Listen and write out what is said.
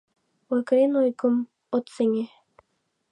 Ойгырен, ойгым от сеҥе.